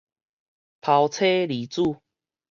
拋妻離子